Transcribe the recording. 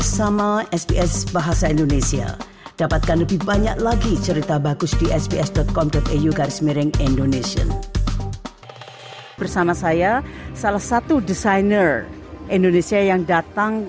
sampai jumpa di sps bahasa indonesia